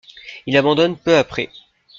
Il abandonne peu après.